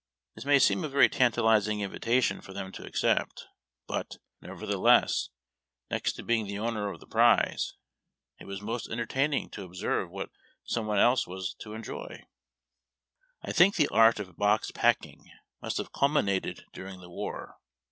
Tliis may seem a very tantalizing invitation for them to accept ; but, nevertlieless, next to being the owner of the prize, it was most entertaining to observe what some one else was to enjoy. I tliink the art of box packing must liave culminated during the war.